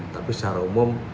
tapi secara umum